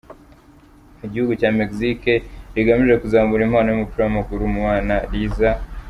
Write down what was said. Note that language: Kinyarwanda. mu gihugu cya Mexique rigamije kuzamura impano yumupira wamaguru mu bana riza.